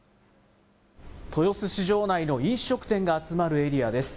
豊洲市場内の飲食店が集まるエリアです。